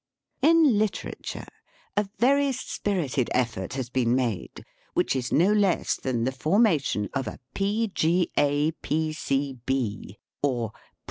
In literature, a very spirited effort has been made, which is no less than the formation of a P. G. A.